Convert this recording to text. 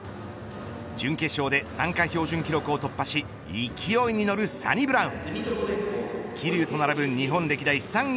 準決勝で参加標準記録を突破し勢いに乗るサニブラウン。